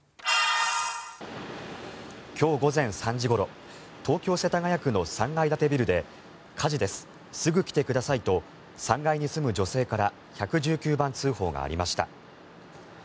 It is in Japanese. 今日午前３時ごろ東京・世田谷区の３階建てビルで火事ですすぐ来てくださいと３階に住む女性から１１９番通報がありました。